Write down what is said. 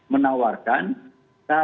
menawarkan rancangan undang undang kerasan ini